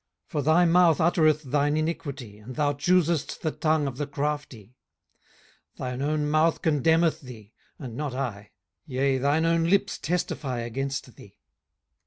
18:015:005 For thy mouth uttereth thine iniquity, and thou choosest the tongue of the crafty. 18:015:006 Thine own mouth condemneth thee, and not I: yea, thine own lips testify against thee.